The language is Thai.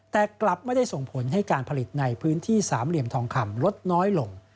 แต่กลับไม่ได้ส่งผลให้การผลิตในพื้นที่สามเหลี่ยมทองคำลดน้อยลง